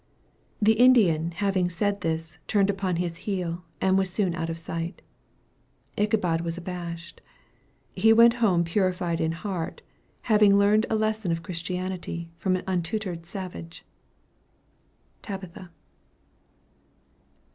The Indian having said this, turned upon his heel, and was soon out of sight. Ichabod was abashed. He went home purified in heart, having learned a lesson of Christianity from an untutored savage. TABITHA.